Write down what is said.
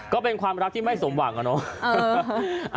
ก็เป็นความรักที่ไม่สมหวังอะเนาะ